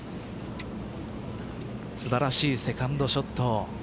素晴らしいセカンドショット。